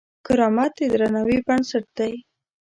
کرامت د درناوي بنسټ دی.